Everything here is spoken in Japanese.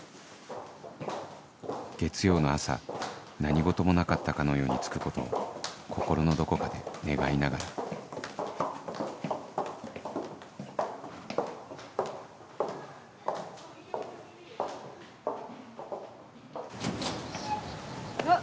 月曜の朝何事もなかったかのようにつくことを心のどこかで願いながらうわっ。